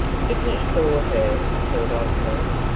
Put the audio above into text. "If he saw her!" thought Osborne.